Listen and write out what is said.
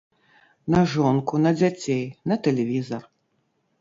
На жонку, на дзяцей, на тэлевізар.